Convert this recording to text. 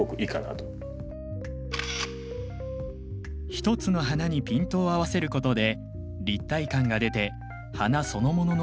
一つの花にピントを合わせることで立体感が出て花そのものの美しさも際立ってきます。